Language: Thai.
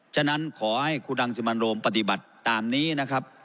ฉะนั้นขอให้ครูรังสิมันโรมปฏิบัติตามนี้นะครับ